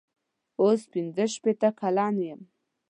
اوس پنځه شپېته کلن یم.